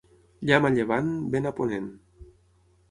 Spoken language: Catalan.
Llamp a llevant, vent a ponent.